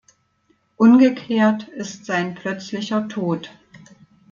Ungeklärt ist sein plötzlicher Tod.